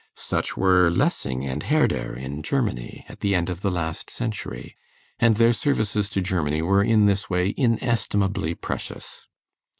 Such were Lessing and Herder in Germany, at the end of the last century; and their services to Germany were in this way inestimably precious.